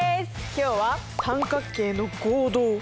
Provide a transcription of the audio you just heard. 今日は三角形の合同。